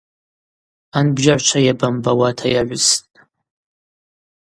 Анбжьагӏвчва йабамбауата йагӏвыстӏ.